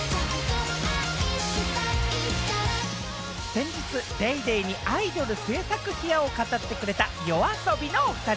先日『ＤａｙＤａｙ．』に『アイドル』制作秘話を語ってくれたＹＯＡＳＯＢＩのお二人。